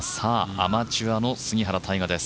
アマチュアの杉原大河です。